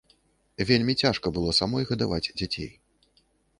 Вельмі цяжка было самой гадаваць дзяцей.